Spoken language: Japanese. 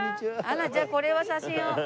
あらじゃあこれは写真を。